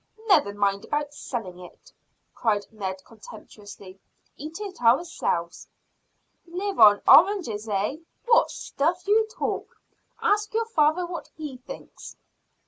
Never mind about selling it," cried Ned contemptuously. "Eat it ourselves." "Live on oranges, eh? What stuff you talk! Ask your father what he thinks."